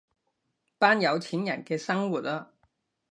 班有錢人嘅生活啊